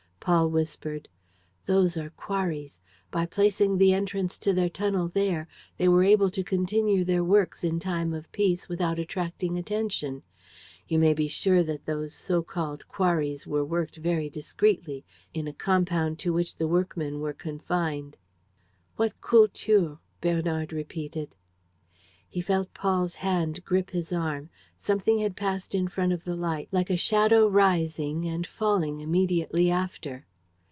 Paul whispered: "Those are quarries. By placing the entrance to their tunnel there, they were able to continue their works in time of peace without attracting attention. You may be sure that those so called quarries were worked very discreetly, in a compound to which the workmen were confined." "What Kultur!" Bernard repeated. He felt Paul's hand grip his arm. Something had passed in front of the light, like a shadow rising and falling immediately after.